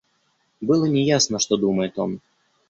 Было не ясно, что думает он.